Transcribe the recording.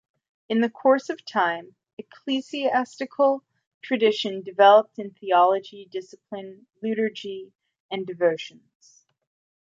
In the course of time ecclesial traditions develop in theology, discipline, liturgy, and devotions.